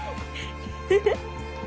フフ。